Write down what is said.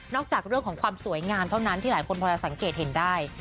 จากเรื่องของความสวยงามเท่านั้นที่หลายคนพอจะสังเกตเห็นได้